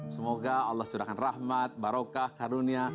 semoga allah curahkan rahmat barokah karunia